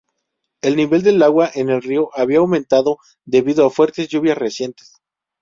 El nivel del agua en el río había aumentado debido a fuertes lluvias recientes.